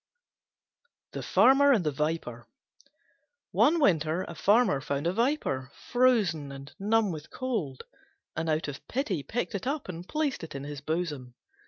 THE FARMER AND THE VIPER One winter a Farmer found a Viper frozen and numb with cold, and out of pity picked it up and placed it in his bosom.